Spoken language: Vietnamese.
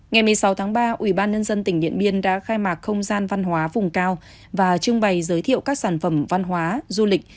ngày một mươi sáu tháng ba ubnd tỉnh điện biên đã khai mạc không gian văn hóa vùng cao và trưng bày giới thiệu các sản phẩm văn hóa du lịch